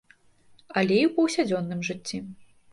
Але і ў паўсядзённым жыцці.